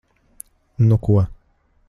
Nu ko...